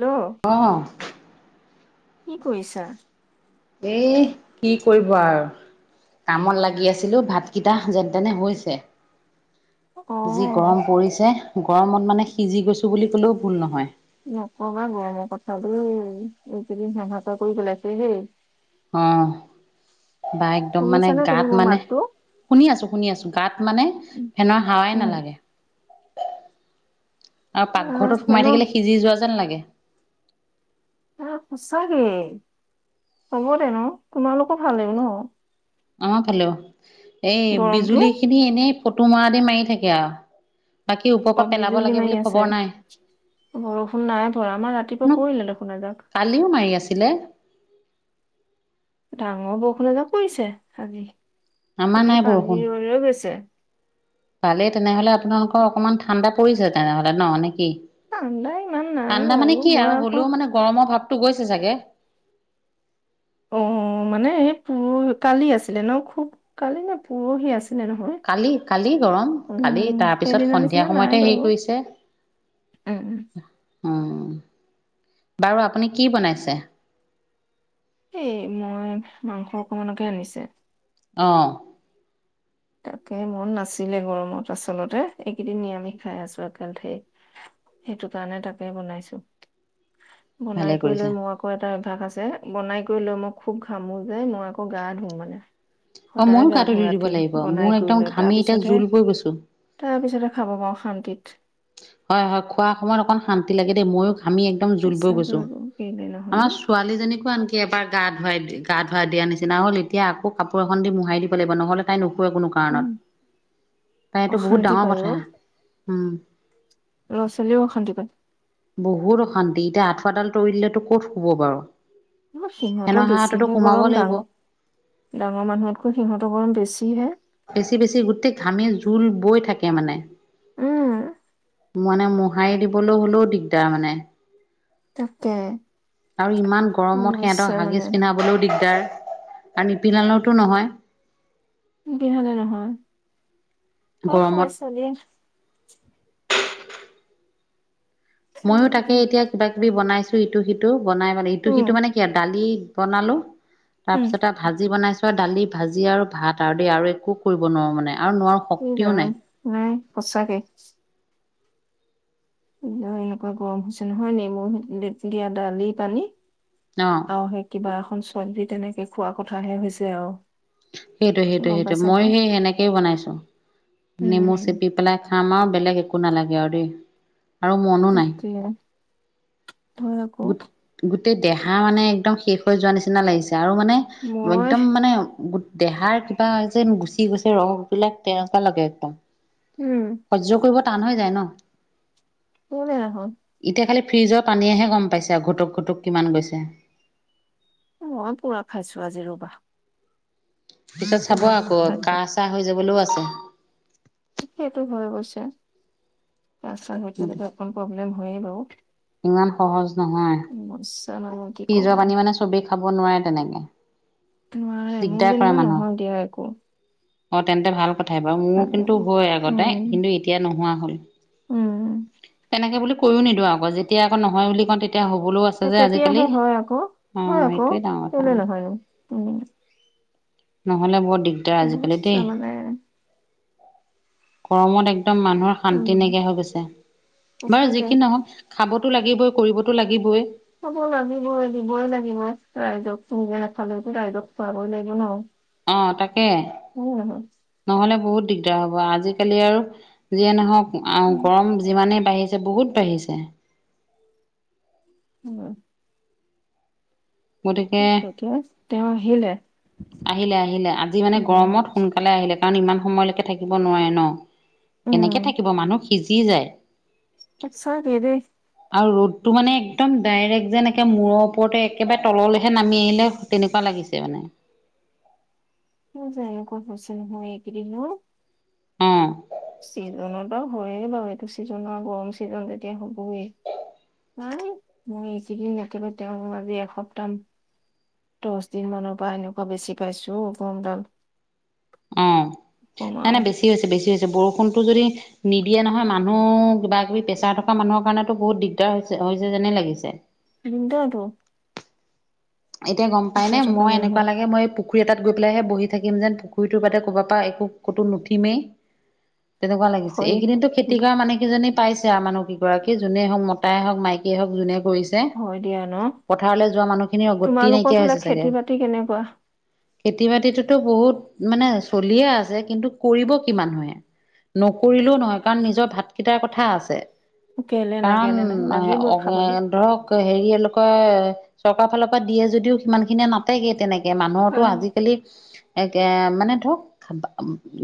Hello. অঁ। কি কৰিছা? এই কি কৰিব আৰু কামত লাগি আছিলো ভাতকেইটা যেন তেনে হৈছে। যি অ' গৰম পৰিছে, গৰমত মানে সিজি গৈছো বুলি ক'লেও ভুল নহয়। নকবা গৰমৰ কথা দেই, এইকেইদিন হাহাকাৰ কৰি পেলাইছে হেই। অঁ বা একদম মানে শুনিছানে তুমি গাত মোৰ মানে মাতটো? শুনি আছো শুনি আছো, গাত মানে ফেনৰ হাৱাই উম, নালাগে। আৰু আহ, পাকঘৰটোত সোমাই হেনো থাকিলে সিজি যোৱা যেন লাগে। এ সঁচাকে, সবতে ন? তোমালোকৰ ফালেও ন? আমাৰ ফালেও, এই গৰমটো? বিজুলী খিনি এনেই ফটো মৰা দি মাৰি থাকে আও। অ বিজুলি মাৰি আছে, বৰষুণ নাই পৰা আমাৰ ৰাতিপুৱা ন পৰিলে দেখোন এযাক। কালিও মাৰি আছিলে। ডাঙৰ বৰষুণ এযাক পৰিছে আজি, আমাৰ এতিয়া নাই বৰষুণ। পানী ৰৈ ৰৈ গৈছে। ভালেই তেনেহলে আপোনালোকৰ অকমান ঠাণ্ডা পৰিছে তেনেহলে ন নেকি? ইমান নাই ঠাণ্ডা বাৰু মানে কি মই আৰু আকৌ হ'লেও মানে গৰমৰ ভাৱটো গৈছে চাগে? অ মানে এই পুৰ কালি আছিলে ন খুব কালি নে পোৰহি আছিলে। নহয় কালি কালি গৰম কালি উম তাৰপিছত সেইদিনা সন্ধিয়া নিচিনা সময়তে নাই হেৰি বাৰু। উম। এ, বাৰু আপুনি কি বনাইছে? এই মই মাংস অকমানকে আনিছে। অ। তাকে মন নাছিলে গৰমত আচলতে এইকেইদিন নিৰামিষ খাই আছো একেলেথাৰিয়ে। সেইটো কাৰণে তাকে বনাইছো ভালে বনাই কৰি কৰিছে। লৈ মই আ এটা অভ্যাস আছে বনাই কৰি লৈ মই খুব ঘামো যে মই আকৌ গা ধুওঁ মানে। অ সদায় ময়ো গা গাটো ধুও ধুই দিব ৰাতি লাগিব বনাই মোৰ কৰি একদম লৈ তাৰ ঘামি এতিয়া পিছতহে জোল পৰি গৈছো। তাৰ পিছতে খাব পাৰোঁ শান্তিত। হয় হয় খোৱাৰ সময়ত অকমান শান্তি লাগে দেই মইয়ো ঘামি একদম জোল বৈ সঁচাকৈ গৈছে আকৌ কেলে নহয়নো আমাৰ ছোৱালীজনীকো আনকি এবাৰ গা ধুৱাই গা ধুৱাই দিয়া নিচিনা হ'ল এতিয়া আকৌ কাপোৰ এখন দি মোহাৰি দিব লাগিব নহ'লে তাই নুশুৱে কোনো উম কাৰণত তাই এইটো বহুত অশান্তি ডাঙৰ পায় কথা উম ল'ৰা-ছোৱালীও অশান্তি পায়। বহুত অশান্তি এতিয়া আঁঠুৱাডাল তুলি দিলেতো ক'ত শুব বাৰু। ফেনৰ সিহঁতৰ হাৱাটোতো বেছিহে সোমাব গৰম লাগিব। ডাঙৰ ডাঙৰ মানুহতকৈ সিহঁতো গৰম বেছিহে। বেছি বেছি গোটেই ঘামি জোল বৈ থাকে মানে। উম। মানে মোহাৰি দিবলৈ হ'লেও দিগদাৰ মানে। তাকে। আৰু ইমান গৰমত সিহঁতক সমস্যা মানে হাগিজ পিন্ধাবলৈও দিগদাৰ আৰু নিপিন্ধালেওতো নহয়। নিপিন্ধা নহয় আৰু গৰমত সৰু ছোৱালী। ময়ো তাকে এতিয়া কিবা কিবি বনাইছো ইটো সিটো বনাই মানে ইটো উম সিটো মানে কি দালি বনালো তাৰ উম পিছতে ভাজি বনাইছোঁ দালি ভাজি আৰু ভাত আৰু দেই আৰু একো কৰিব নোৱাৰো মানে আৰু নোৱাৰো ই শক্তিও ৰাম নাই। নাই সঁচাকে। এতিয়া এনেকুৱা গৰম হৈছে নহয় নেমু দিয়া দালি পানী আহ্। আৰু সেই কিবা এখন চব্জি তেনেকে খোৱা কথাহে হৈছে আৰু সেইটো সেইটো গম সেইটোৱেই পাইছানে মই সেই সেনেকে বনাইছো নেমু উম চেপি পেলাই আমাক বেলেগ একো নালাগে আৰু দেই। আৰু মনো নাই তাকে হয় আকৌ গোট গোটেই দেহা মানে একদম শেষ হৈ যোৱা নিচিনা লাগিছে আৰু মানে মই একদম মানে গোট দেহাৰ কিবা যেন গুচি গৈছে ৰস বিলাক তেনেকুৱা লাগে একদম উম। সহ্য কৰিব টান হৈ যায় ন। [inaudible] এতিয়া খালি ফ্ৰিজৰ পানীয়েহে গম পাইছে আৰু ঘুটুক ঘুটুক কিমান গৈছে। মই পুৰা খাইছো আজি ৰবা। এতিয়া চাব পুৰা আকৌ খাইছো। কাহ চাহ হৈ যাবলৈও আছে। সেইটো হৈ গৈছে ৰাস্তাৰ [inaudible] অকণমান প্ৰব্লেম হয়য়ে বাৰু। ইমান সহজ নহয়। [inaudible] ফ্ৰিজৰ পানী মানে চবেই খাব নোৱাৰে তেনেকে। নোৱাৰে মোৰ দিগদাৰ পায় যেনিবা নহয় দিয়া একো। মানুহক অ তেন্তে ভাল ক কথাই বাৰু মোৰ কিন্তু হয় আগতে উম কিন্তু এতিয়া নোহোৱা হ'ল, উম। লাগে বুলি কৈও নিদিওঁ আউ আকৌ যেতিয়া আকৌ নহয় বুলি কওঁ তেতিয়া হ'বলও তে তেতিয়াহে হয় আকৌ হয় আকৌ এইটোৱে ডাঙৰ কথা কেলে নহয়নো উম নহ'লে বৰ দিগদাৰ আজিকালি সমস্যা দেই মানে গৰমত একদম মানুহৰ উম শান্তি নাইকিয়া হৈ গৈছে বাৰু সঁচাকে যিখিনি নহওক খাবতো লাগিবই কৰিবতো লাগিবই খাব লাগিবই দিবই লাগিব ৰাইজক নিজে নাখালেওতো ৰাইজক খোৱাবই লাগিব ন অ তাকে হয় নে নহয় নহলে বহুত দিগদাৰ হ'ব আজিকালি আৰু যিয়ে নহওক আ উম গৰম যিমানেই বাঢ়িছে বহুত বাঢ়িছে অ গতিকে ত তেওঁ আহিলে আহিলে আহিলে আজি মানে গৰমত সোনকালে আহিলে কাৰণ ইমান সময়লৈকে থাকিব নোৱাৰে ন কেনেকে থাকিব মানুহ সিজি যায় আছা কে দেই আৰু ৰ'দতটো মানে একদম ডাইৰেক্ট যেন একে মূৰৰ ওপৰতে একেবাই তললৈহে নামি আহিলে ঔ তেনেকুৱা লাগিছে মানে ম জাই আক হছে নহয় একেদিনো উম ছিজনতো হয়য়ে বাউ এইটো ছিজনৰ গৰম ছিজন যেতিয়া হ'বই নাই মই এইকেইদিন একেবাই তেওঁ আজি এসপ্তাহ দছ দিন মানৰ পৰা এনেকুৱা বেছি পাইছো অ গৰমডাল অ নাই কমাও নাই বেছি হৈছে বেছি হৈছে বৰষুণটো যদি নিদিয়ে নহয় মানুহ কিবা কিবি প্ৰেছাৰ থকা মানুহৰ কাৰণেতো বহুত দিগদাৰ হৈছে হৈছে যেনে লাগিছে দিন ট আটো এতিয়া গম পায় পইচা নে থকা মই এনেকুৱা মানুহৰ লাগে মই এই পু খুৰী এটাত গৈ পেলাইহে বহি থাকিম যেন পুখুৰীটো বাদে ক'বা পা একো কতো নুঠিমেই তেনেকুৱা লাগিছে হয় এইকেদিনতো খেতি কৰা মানুহ কেইজনী পাইছে আ মানুহ কিগৰাকী যোনে হওক মতায় হওক মাইকীয়ে হওক যোনে কৰিছ চে হয় দিয়া ন পথাৰলে যোৱা মানুহখিনিৰ গতি তোমালোকৰ নাইকিয়া ফালে হৈছে চাগে খেতি বাতি কেনেকুৱা খেতি বাতিটোতো বহুত মানে চলিয়ে আছে কিন্তু কৰিব কি মানুহে নকৰিলো নহয় কাৰণ নিজৰ ভাতকেইটাৰ কথা আছে কেলে নাই কাৰণ কেলে নাই এ লাগিবই অ খাবলৈ ধৰক হেৰি এই লোকে [unintelligible] ফালৰ পৰা দিয়ে যদিও সিমান খিনিয়ে নাটেগে তেনেকে মানুহৰতো অ আজিকালি একে মানে ধৰক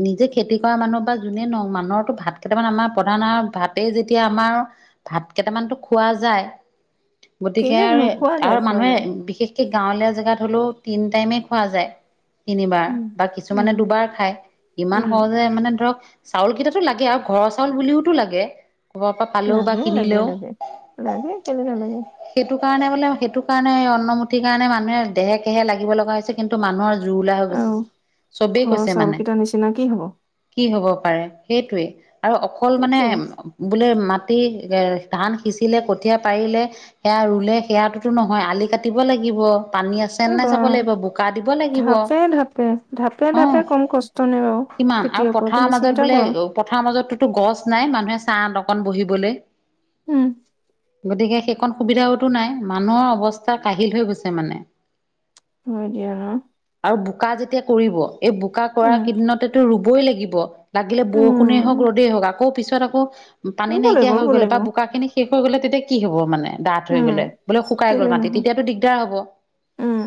নিজে খেতি কৰা মানুহ বা যোনে নহওক মানুহৰো ভাত কেইটামান আমাৰ প্ৰধান আহাৰ ভাত তাতেই যেতিয়া আমাৰ ভাত কেইটামানতো খোৱা যায় গতিকে কেলে আৰু নহয় খোৱা আৰু যায় খোৱা মানুহে যায় বিশেষকে গাঁৱলীয়া জেগাত হ'লও তিন টাইমে খোৱা যায় তিনিবাৰ উম বা উম কিছুমানে দুবাৰ খায় ইমান উম সহজে মানে ধৰক চাউল কেইটাতো লাগে আৰু ঘৰৰ চাউল বুলিওতো লাগে ঘৰ পা লাগে লাগে লাগে লাগে কেলে নেলাগে সেইটো কাৰণে বোলে সেইটো কাৰণে অন্নমুঠিৰ কাৰণে মানুহে দেহে কেহে লাগিব লগা হৈছে কিন্তু মানুহৰ জুৰুলা হৈ গছে আৰু চবেই ঘৰৰ কৈছে চাউল মানে কেইটা নিচিনা কি হব কি হব পাৰে সেইটোৱে আৰু অকল মানে সেইটোৱে বোলে মাটি এ ধান সিঁচিলে কঠীয়া পাৰিলে সেয়া ৰুলে সেয়া টো নহয় আলি কাটিব লাগিব পানী আ- আছেনে এই নাই বা চাব লাগিব বোকা দিব লাগিব, ধাপে ধাপে ধাপে ওম ধাপে কম কষ্ট নে বাৰু কিমান আৰু খেতিয়কৰ পথাৰৰ তুমি মাজত চিন্তা বোলে কৰা - পথাৰ মাজতটোতো গছ নাই মানুহে ছাঁত অকন বহিবলে। উম। গতিকে সেইকণ সুবিধাওতো নাই মানুহৰ অৱস্থা কাঢ়িল হৈ গৈছে মানে। [unintelligible] আৰু বোকা যেতিয়া কৰিব এই বোকা কৰা উম কেইদিনতেতো ৰুবই লাগিব। লাগিলে বৰষুণেই হওঁক উম ৰ'দেই হওক আকৌ পিছত আকৌ পানী ৰুব লাগিব নাইকিয়া ৰুব হৈ গ'লে লাগিব বা বোকা খিনি - শেষ হৈ গলে তেতিয়া কি হব মানে ডাঠ হৈ উম গ'লে বোলে শুকাই গল মাটি তেতিয়াতো দিগদাৰ হব। ওম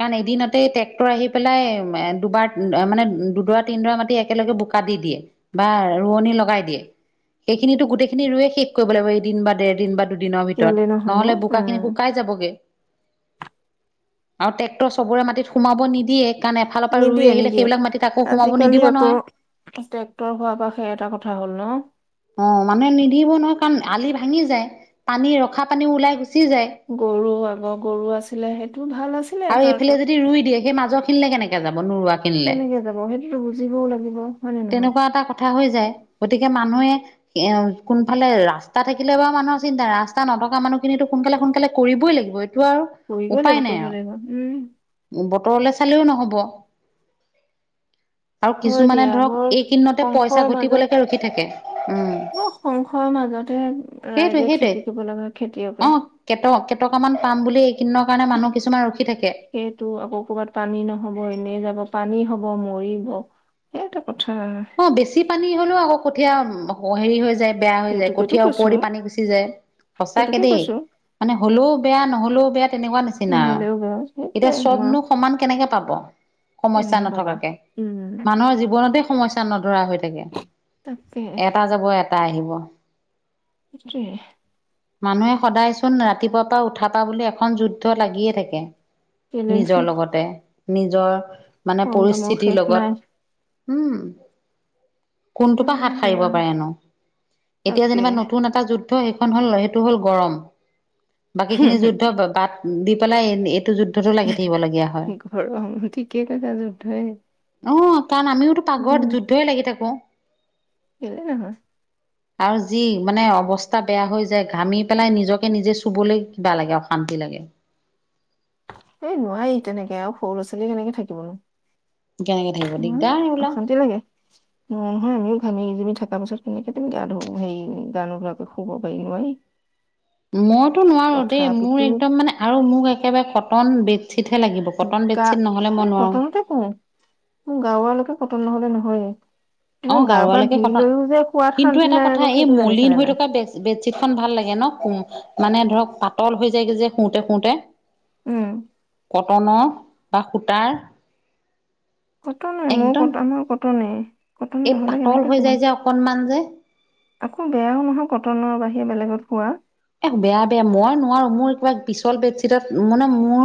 কাৰণ এদিনতেই ট্ৰেক্টৰ আহি পেলাই দুবাৰ মানে দুডৰা তিনডৰা মাটি একেলগে বোকা দি দিয়ে। বা ৰোৱনী লগাই দিয়ে সেইখিনিতো গোটেইখিনি ৰুয়ে শেষ কৰিব লাগিব এদিন বা ডেৰ দিন বা দুদিনৰ কেলে ভিতৰত নহয়নো নহলে বোকা উম শুকাই যাবগে, আৰু ট্ৰেক্টৰ চবৰে মাটিত সোমাব নিদিয়ে। সেইকাৰণে এফালৰ পৰা ৰুই নিদিয়ে আহিলে নিদিয়ে সেইবিলাক মাটিত আকৌ সোমাব আজিকালি নিদিব আকৌ নহয়। ট্ৰেক্টৰ হোৱাৰ পৰা সেই এটা কথা হ'ল ন? অ মানুহে নিদিব নহয় কাৰণ আলি ভাঙি যায় পানী ৰখা পানীও ওলাই গুচি যায়। গৰু আগৰ গৰু আছিলে সেইটো ভাল আছি- আৰু এইফালে যদি ৰুই দিয়ে সেই মাজৰ খিনিলে কেনেকে যাব নুৰুৱা- কেনেকে যাব সেইটোতো বুজিবও লাগিব হয় নে নহয়? তেনেকুৱা এটা কথা হৈ যায় গতিকে মানুহে - এ কোনফালে ৰাস্তা থাকিলে বাৰু মানুহৰ চিন্তা নাই ৰাস্তা নথকা মানুহখিনিতো সোনকালে সোনকালে কৰিবই লাগিব। [unintelligible] কৰিবয়ে লাগিব নাই কৰিবয়ে আৰু লাগিব, উম। বতৰলে চালেও নহব। আৰু হয় কিছুমানে দিয়া ধৰক বৰ এই কিদিনতে পইচা সংশয়ৰ মাজত ঘটিবলেকে ৰখি থাকে, উম। বৰ সংশয়ৰ মাজতে সেইটোৱে ৰাইজে সেইটোৱে। খেতি কৰিব লগা হয়, অ খেতিয়কে। কেট কেইটকামান পাম বুলি এইকেইদিনৰ কাৰণে মানুহ কিছুমান ৰখি থাকে। সেইটো আকৌ ক'ৰবাত পানী নহব এনেই যাব পানী হব মৰিব। সেইটো কথা। অ বেছি পানী হ'লেও আকৌ কঠিয়ী হেৰি হৈ যায়। বেয়া হৈ যায় সেইটোকেতো কঠিয়াৰ কৈছো ওপৰদি পানী গুচি যায়। সঁচাকে সেইটোকে দেই। কৈছো মানে হ'লেও বেয়া নহলেও বেয়া তেনেকুৱা নিচিনা আও। হ'লেও বেয়া, সেইটো এতিয়া চবনো সমান কেনেকে পাব সমস্যা কেনেকে পাবা নথকাকে, উম মানুহৰ জীৱনতে সমস্যা নধৰা হৈ থাকে, তাকে এটা যাব এটা আহিব। সেইটোৱে। মানুহে সদায় চোন ৰাতিপুৱা পা উঠাৰ পা বুলে এখন যুদ্ধ লাগিয়ে থাকে। চেলেঞ্জ নিজৰ লগতে নিজৰ মানে সংগ্ৰামৰ শেষ পৰিস্থিতিৰ নাই লগত। উম। কোনটোৰ পা হয় হাত সাৰিব দিয়া পাৰেনো এতিয়া তাকে যেনিবা নতুন এটা যুদ- দ্ধ সেইখন হ'ল সেইটো হ'ল গৰম। বাকী খিনি যুদ্ধ বাট দি পেলাই এইটো যুদ্- গৰম ঠিকেই কৈছা যুদ্ধয়ে। অঁ, কাৰণ আমিওটো পাকঘৰত যুদ্ধই লাগি থাকো। কেলে নহয়? আৰু যি, মানে অৱস্থা বেয়া হৈ যায়। ঘামি পেলাই নিজকে নিজে শুবলেই বেয়া লাগে। অশান্তি লাগে। এ নোৱাৰি তেনেকে আও। সৰু ল'ৰা ছোৱালী কেনেকে থাকিবনো? কেনেকে থাকিব উম, দিগদাৰ এইবিলাক অশান্তি লাগে। ন নহয়, আমি ঘামি-জামি থকা পিছত কেনেকে তুমি গা ধো--হেৰি, গা নোধোৱাকৈ শুব পাৰি, নোৱাৰি। [unintelligible] মইটো নোৱাৰো দেই। মোৰ তথাপিতো একদম মানে আৰু মোক একেবাৰে কটন বেড ছিটহে লাগিব। কটন বেডছিট নহ'লে মই নোৱাৰোঁ। হয়, মোৰ গাৰু হ'লেটো কটন নহলে নহয়। অঁ, গাৰুৱালৈকে কটন শুৱাত কিন্তু শান্তি এটা নাই কথা আকৌ এই সেইটো জানিছানে মলিন হৈ নাই থকা বেড বেডশ্বিটখন ভাল লাগে ন'? শু--মানে ধৰক পাতল হৈ যায়গে যে শুতে শুতে। উম। কটনৰ বা সূতাৰ। কটনৰে মোৰ একদম কট্ মোৰ কটনে। কটন এই নহ'লে পাতল কেনেকে হৈ শুবা যায় যে অকণমান যে। আকৌ বেয়াও নহয়, কটনৰ বাহিৰে বেলেগত শুৱা। এহ্ বেয়া, বেয়া মই নোৱাৰো। মোৰ কিবা পিছল বেডশ্বিদত মানে, মোৰ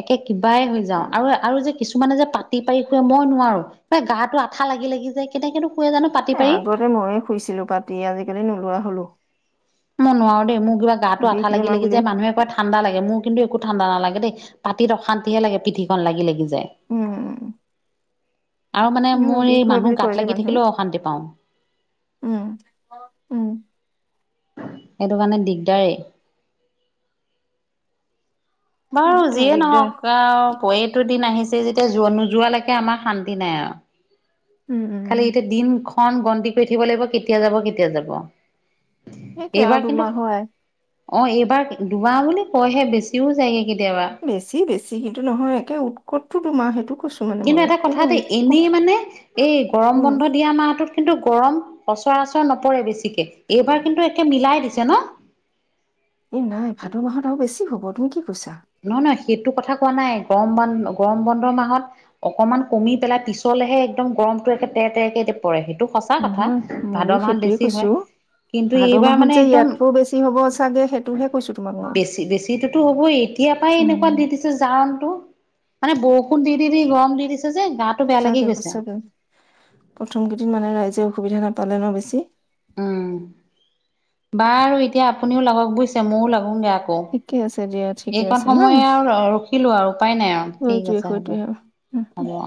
একে কিবাই হৈ যাওঁ আৰু, আৰু যে কিছুমানে যে পাতি পাৰি শুৱে মই নোৱাৰোঁ। এ গাটো আঠা লাগি লাগি যায় কেনেকেনো শুৱে জানো? পাতি এ পাৰি আগতে মইয়ে শুইছিলো পাতি আজিকালি নোলোৱা হ'লো। মই নোৱাৰো দেই। মোৰ কিবা গাটো বিষ আঠা লাগি বেমাৰ লাগি বুলি যায়। মানুহে কয় ঠা ঠাণ্ডা লাগে। মোৰ কিন্তু একো ঠাণ্ডা নালাগে দেই, পাতিত অশান্তিহে লাগে পিঠিখন লাগি লাগি যায়। উম, উম। আৰু মানে মোৰ বিষ এই হয় বুলি মানুহ কয় গাত যে লাগি মানুহে থাকিলেও অশান্তি পাওঁ। উম, উম। সেইটো কাৰণে দিগদাৰে। বাৰু দিগদাৰ যিয়ে দিগদাৰ নহওক আও প এইটো দিন আহিছে যেতিয়া যোৱা নোযোৱালৈকে আমাৰ শান্তি নাই আও। উম, উম। খালি উম। এতিয়া দিনখন গন্তি কৰি থাকিব লাগিব কেতিয়া যাব, কেতিয়া যাব। সেইটোৱে আৰু এইবাৰ কিন্তু দুমাহ হয় অঁ, এইবাৰ দুমাহ বুলি কয়হে বেছিও যায়গে কেতিয়াবা। বেছি বেছি কিন্তু নহয় একে উৎকটটো তোমাৰ সেইটো কৈছো। মানে কিন্তু মই এটা কথা একে দেই উৎকট এনেই মানে, এই গৰম উম বন্ধ দিয়া মাহটোত কিন্তু গৰম সচৰাচৰ নপৰে বেছিকে, এইবাৰ কিন্তু একে মিলাই দিছে ন'? এ নাই ভাদৰ মাহত আৰু বেছি হ'ব তুমি কি কৈছা? নহয়, নহয় সেইটো কথা কোৱা নাই। গৰম বন গৰম বন্ধৰ মাহত অকমান কমি পেলাই পিছলেহে একদম গৰমটোৱে একে তেৰ তেৰকে পৰে সেইটো সঁচা কথা, নহয় ভাদৰ মাহত বেছি হয়। কিন্তু ভাদৰ এইবাৰ মাহত মানে যে একদম ইয়াতকো বেছি হ'ব চাগে, সেইটোহে কৈছো তোমাক মই। সেইটোতো হ'বই। ইয়াৰ পৰাই উম এনেকুৱা দি দিছে জাৰনটো মানে, বৰষুণ দি দি দি গৰম দি দিছে যে গাত সঁচাকে, সঁচাকে প্ৰথম কেইদিন মানে ৰাইজে অসুবিধা নাপালে ন' বেছি? উম বাৰু এতিয়া আপুনিও লাগক বুইছে ময়ো লগোগে আ ক ঠিকে আছে দিয়া ঠিকে এইকণ আছে ন সময় আৰু ৰখিলো আৰু উপায় নাই আৰু ঠিক সেইটোৱে আছে হ'ব সেইটোৱে হ'ব অ